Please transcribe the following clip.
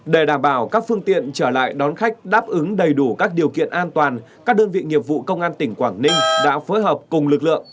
để đảm bảo các phương tiện trở lại đón khách đáp ứng đầy đủ các điều kiện an toàn các đơn vị nghiệp vụ công an tỉnh quảng ninh đã phối hợp cùng lực lượng